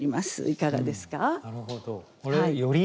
いかがですか？